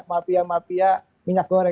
mafia mafia minyak goreng